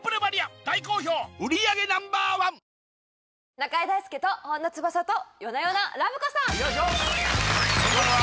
「中居大輔と本田翼と夜な夜なラブ子さん」！